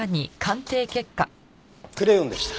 クレヨンでした。